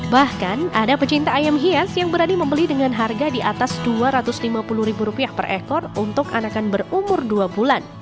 bahkan ada pecinta ayam hias yang berani membeli dengan harga di atas dua ratus lima puluh ribu rupiah per ekor untuk anakan berumur dua bulan